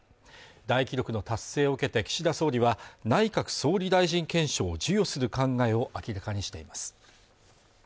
大記録の達成を受けて岸田総理は内閣総理大臣顕彰を授与する考えを明らかにしています